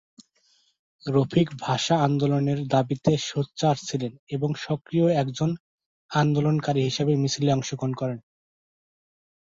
রফিক ভাষা আন্দোলনের দাবিতে সোচ্চার ছিলেন এবং সক্রিয় একজন আন্দোলনকারী হিসেবে মিছিলে অংশগ্রহণ করেন।